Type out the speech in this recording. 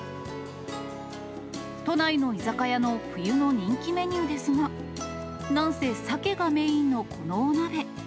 都内の居酒屋の冬の人気メニューですが、なんせサケがメインのこのお鍋。